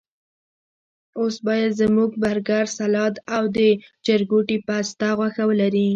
اوس باید زموږ برګر، سلاد او د چرګوټي پسته غوښه ولري.